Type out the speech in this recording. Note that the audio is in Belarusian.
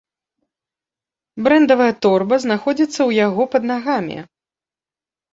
Брэндавая торба знаходзіцца ў яго пад нагамі.